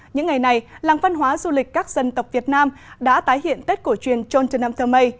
những ngày này làng văn hóa du lịch các dân tộc việt nam đã tái hiện tết cổ truyền tron nam thơ mây